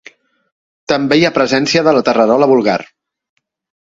També hi ha presència de la terrerola vulgar.